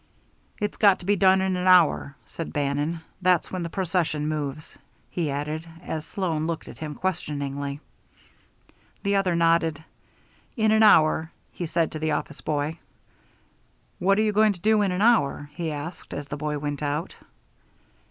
"It's got to be done in an hour," said Bannon. "That's when the procession moves," he added; as Sloan looked at him questioningly. The other nodded. "In an hour," he said to the office boy. "What are you going to do in an hour?" he asked, as the boy went out.